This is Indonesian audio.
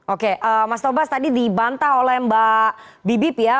oke mas tobas tadi dibantah oleh mbak bibip ya